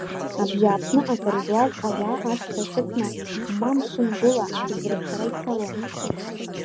Абжьааԥны акыр злаз ауаа ашьха ихыҵны, ма мшынгәыла хьыӡрацара ицалон…